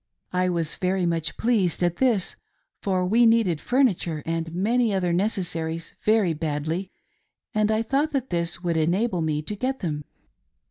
I was very much pleased at this, for we needed furniture and many other necessaries very badly, and I thought that this would enable me to get them.